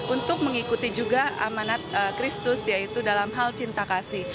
untuk mengikuti juga amanat kristus yaitu dalam hal cinta kasih